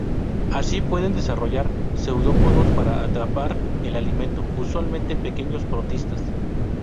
Así, pueden desarrollar seudópodos para atrapar el alimento, usualmente pequeños protistas.